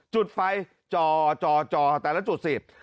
จุดไฟจ่อแต่ละจุดสิ